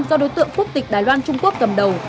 do đối tượng quốc tịch đài loan trung quốc cầm đầu